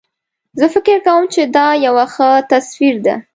زه فکر کوم چې دا یو ښه تصویر ده